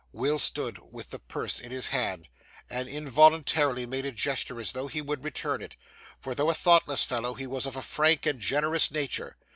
Will stood with the purse in his hand, and involuntarily made a gesture as though he would return it, for though a thoughtless fellow, he was of a frank and generous nature.